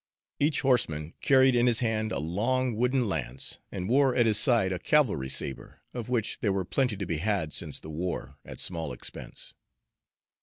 Each horseman carried in his hand a long wooden lance and wore at his side a cavalry sabre, of which there were plenty to be had since the war, at small expense.